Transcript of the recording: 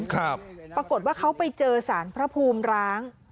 ปรากฏว่าเขาไปเจอสารพระภูมิร้าง